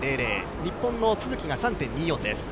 日本の都筑が３．２４です。